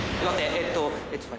えっと。